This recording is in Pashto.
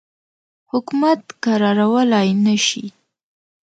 حکومت کرارولای نه شي.